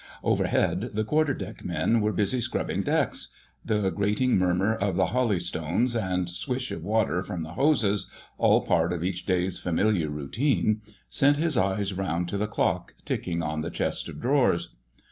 Overhead the quarterdeck men were busy scrubbing decks: the grating murmur of the holystones and swish of water from the hoses, all part of each day's familiar routine, sent his eyes round to the clock ticking on the chest of drawers.